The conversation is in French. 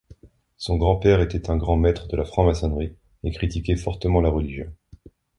Son grand-père était un grand maître de la franc-maçonnerie et critiquait fortement la religion.